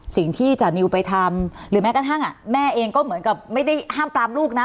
จานิวไปทำหรือแม้กระทั่งแม่เองก็เหมือนกับไม่ได้ห้ามปรามลูกนะ